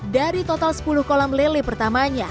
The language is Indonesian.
dari total sepuluh kolam lele pertamanya